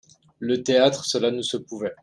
Le théâtre, cela ne se pouvait.